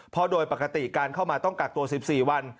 เพราะโดยปกติการเข้ามาต้องกักตัว๑๔วัน